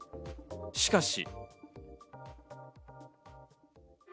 しかし。